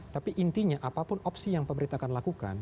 tapi intinya apapun opsi yang pemerintah akan lakukan